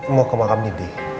mau ke makam nindi